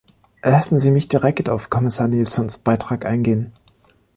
Lassen Sie mich direkt auf Kommissar Nielsons Beitrag eingehen.